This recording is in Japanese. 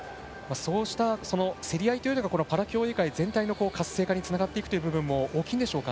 そうした競り合いがパラ競技全体の活性化につながっていくという部分も大きいでしょうか。